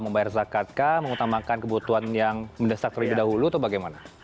membayar zakat kah mengutamakan kebutuhan yang mendesak terlebih dahulu atau bagaimana